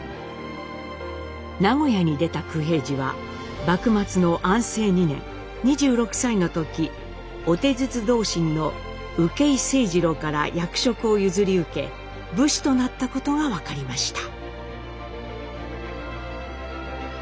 名古屋に出た九平治は幕末の安政２年２６歳の時御手筒同心の受井清次郎から役職を譲り受け武士となったことが分かりました。